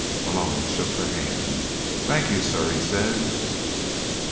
Malone shook the hand. "Thank you, sir," he said.